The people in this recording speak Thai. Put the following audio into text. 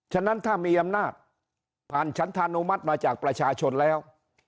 ฉะนั้นถ้ามีอำนาจผ่านฉันธานุมัติมาจากประชาชนแล้ว